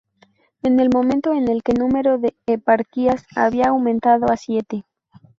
En el momento en que el número de eparquías había aumentado a siete.